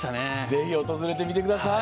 ぜひ訪れてみてください。